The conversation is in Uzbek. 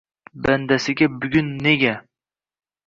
Bandasiga bugun nega